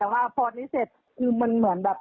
แต่ว่าพอนี้เสร็จคือมันเหมือนแบบ